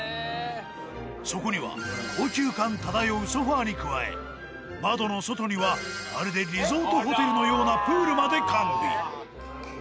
そこには高級感漂うソファーに加え窓の外にはまるでリゾートホテルのようなプールまで完備